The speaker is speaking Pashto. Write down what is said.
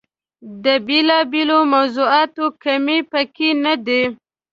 د بېلا بېلو موضوعاتو کمۍ په کې نه ده.